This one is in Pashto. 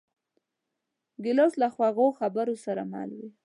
ګیلاس له خوږو خبرو سره مل وي.